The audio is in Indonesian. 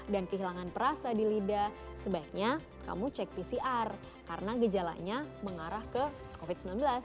dan kehilangan perasa di lidah sebaiknya kamu cek pcr karena gejalanya mengarah ke covid sembilan belas